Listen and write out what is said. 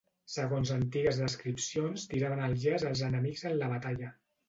Segons antigues descripcions tiraven el llaç als enemics en la batalla.